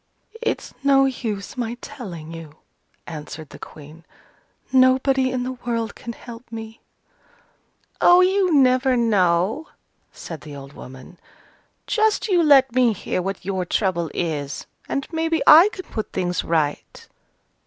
"It's no use my telling you," answered the Queen, "nobody in the world can help me." "Oh, you never know," said the old woman. "Just you let me hear what your trouble is, and maybe I can put things right."